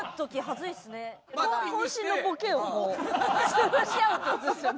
潰し合うって事ですよね？